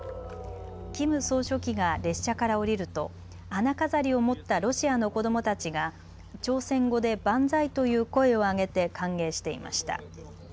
キム総書記が列車から降りると花飾りを持ったロシアの子どもたちが朝鮮語で万歳という声を上げて歓迎していました。